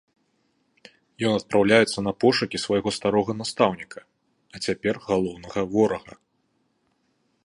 Ён адпраўляецца на пошукі свайго старога настаўніка, а цяпер галоўнага ворага.